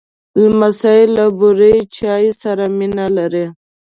لمسی له بوره چای سره مینه لري.